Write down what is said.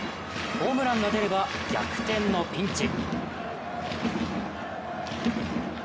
ホームランが出れば逆転のピンチ。